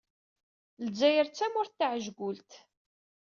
Lezzayer d tamurt taɛejgult.